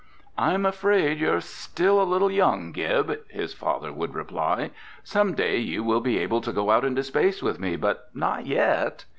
"I'm afraid you're still a little young, Gib," his father would reply. "Some day you will be able to go out into space with me, but not yet."